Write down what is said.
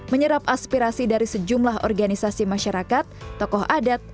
menyerap aspirasi dari sejumlah organisasi masyarakat tokoh adat